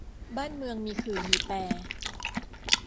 บ้านเมืองมีขื่อมีแป